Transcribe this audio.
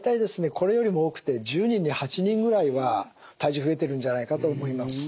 これよりも多くて１０人に８人ぐらいは体重増えてるんじゃないかと思います。